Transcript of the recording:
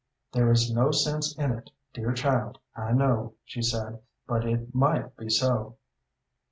"There is no sense in it, dear child, I know," she said, "but it might be so."